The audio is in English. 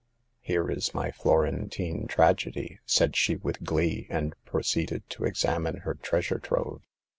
" Here is my Florentine tragedy !" said she, with glee, and proceeded to examine her treasure trove.